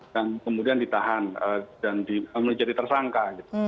dan kemudian ditahan dan menjadi tersangka